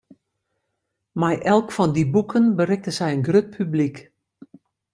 Mei elk fan dy boeken berikte sy in grut publyk.